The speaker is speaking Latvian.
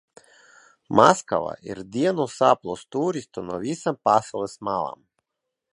Maskavā ik dienu saplūst tūristi no visām pasaules malām.